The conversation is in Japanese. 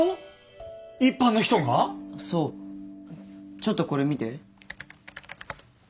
ちょっとこれ見て。